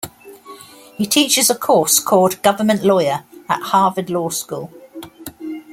He teaches a course called Government Lawyer at Harvard Law School.